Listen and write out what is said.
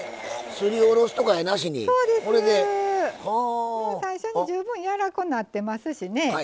もう最初に十分柔らこうなってますしね。